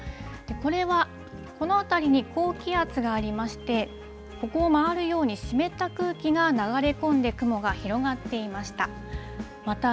これは、この辺りに高気圧がありまして、ここを回るように、湿った空気が流れ込んで雲が広がっていました。